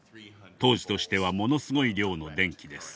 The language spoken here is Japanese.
当時としてはものすごい量の電気です。